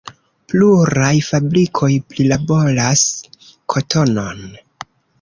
Pluraj fabrikoj prilaboras kotonon.